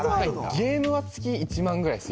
ゲームは月１万ぐらいです